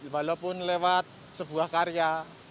walaupun lewat sebuah karya